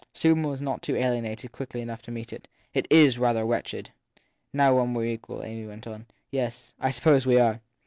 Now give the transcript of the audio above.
Susan was not too alienated quickly enough to meet it. It is rather wretched. 7 ( Now when we re equal/ Amy went on. Yes I suppose we are.